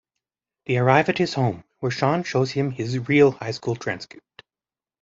They arrive at his home, where Shaun shows him his real high school transcript.